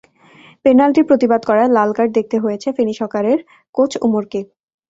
পেনাল্টির প্রতিবাদ করায় লাল কার্ড দেখতে হয়েছে ফেনী সকারের কোচ ওমরকে।